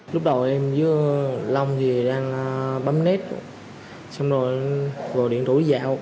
lúc đầu em với long thì đang bấm nét xong rồi điện tủi dạo